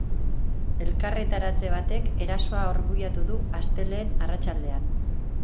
Elkarretaratze batek erasoa arbuiatu du, astelehen arratsaldean.